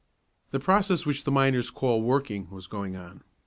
The process which the miners call "working" was going on.